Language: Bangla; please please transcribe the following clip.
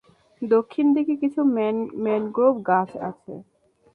দক্ষিণ দিকে কিছু ম্যানগ্রোভ গাছ আছে।